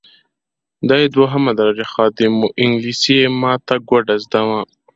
دی دوهمه درجه خادم وو انګلیسي یې ماته ګوډه زده وه.